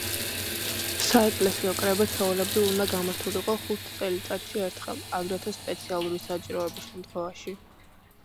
საეკლესიო კრება ჩვეულებრივ უნდა გამართულიყო ხუთ წელიწადში ერთხელ, აგრეთვე სპეციალური საჭიროების შემთხვევაში.